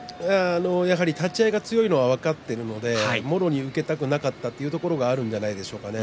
やはり立ち合いが強いのが分かっているのでもろに受けたくなかったというのがあるんじゃないでしょうかね。